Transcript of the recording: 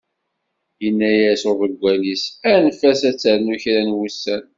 Yenna-as uḍeggal-is, anef-as ad ternu kra n wussan.